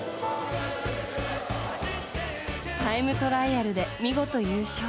タイムトライアルで見事、優勝。